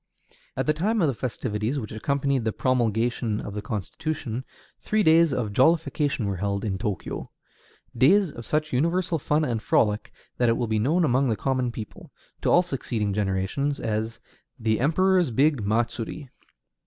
At the time of the festivities which accompanied the promulgation of the Constitution, three days of jollification were held in Tōkyō, days of such universal fun and frolic that it will be known among the common people, to all succeeding generations, as the "Emperor's big matsuri."